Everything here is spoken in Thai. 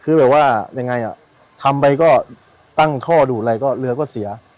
คือแบบว่ายังไงอ่ะทำไปก็ตั้งท่อดูดอะไรก็เรือก็เสีย